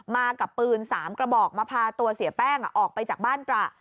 มากับปืน๓กระบอกมาพาตัวเสียแป้งออกไปจากบ้านตระ